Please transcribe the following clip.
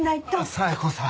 冴子さん。